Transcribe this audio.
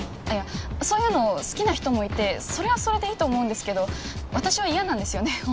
そういうの好きな人もいてそれはそれでいいと思うんですけど私は嫌なんですよね